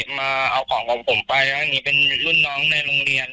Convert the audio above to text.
มาเอาของของผมไปแล้วหนูเป็นรุ่นน้องในโรงเรียน